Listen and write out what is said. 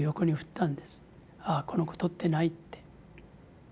ああこの子とってないって。